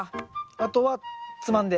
あとはつまんで。